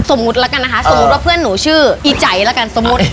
สมมุติแล้วกันนะคะสมมุติว่าเพื่อนหนูชื่ออีใจแล้วกันสมมุติ